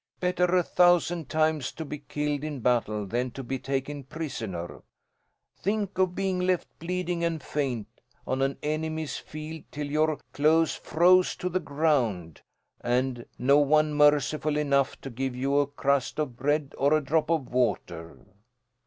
Better a thousand times to be killed in battle, than to be taken prisoner. Think of being left, bleeding and faint, on an enemy's field till your clothes froze to the ground, and no one merciful enough to give you a crust of bread or a drop of water.